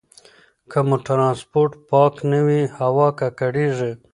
که مو ټرانسپورټ پاک نه وي، هوا ککړېږي.